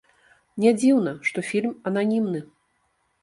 Не дзіўна, што фільм ананімны.